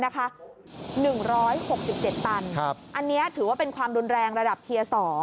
๑๖๗ตันอันนี้ถือว่าเป็นความรุนแรงระดับเทียร์๒